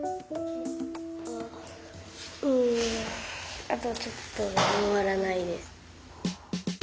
うんあとちょっとで回らないです。